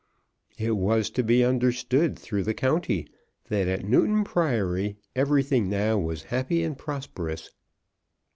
It was to be understood through the county that at Newton Priory everything now was happy and prosperous.